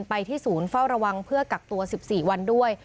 ไปที่ศูนย์เฝ้าระวังเพื่อกักตัว๑๔วันด้วย